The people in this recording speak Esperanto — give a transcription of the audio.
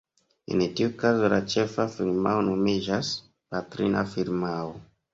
En tiu kazo la ĉefa firmao nomiĝas "patrina firmao".